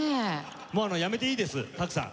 もうやめていいです多久さん。